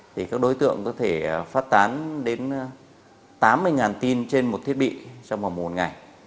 thì các đối tượng có thể phát tán đến tám mươi tin trên một thiết bị trong vòng một ngày